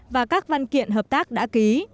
và các văn kiện hợp tác đã ký